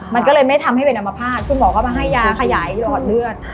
มันก็เลยไม่ทำให้เป็นอมภาษณ์คุณหมอก็มาให้ยาขยายหลอดเลือด